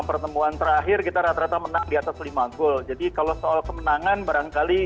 pertemuan terakhir kita rata rata menang di atas lima gol jadi kalau soal kemenangan barangkali